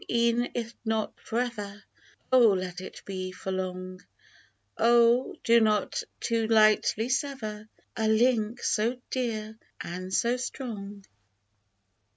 69 Then e'en if not for ever, Oh, let it be for long ! Oh ! do not too lightly sever A link so dear and so strong